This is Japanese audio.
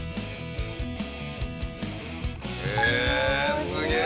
へえすげえ！